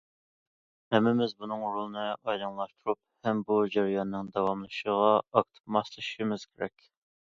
ھەممىمىز بۇنىڭ رولىنى ئايدىڭلاشتۇرۇپ ھەم بۇ جەرياننىڭ داۋاملىشىشىغا ئاكتىپ ماسلىشىشىمىز كېرەك.